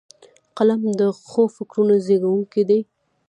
قلم د ښو فکرونو زیږوونکی دی